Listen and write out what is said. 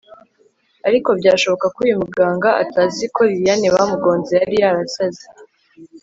ariko byashoboka ko uyu muganga atazi ko lilian bamugonze yari yarasaze